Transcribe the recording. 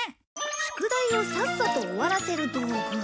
宿題をさっさと終わらせる道具。